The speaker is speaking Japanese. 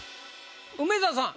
梅沢さん